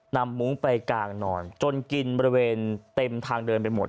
มุ้งไปกางนอนจนกินบริเวณเต็มทางเดินไปหมด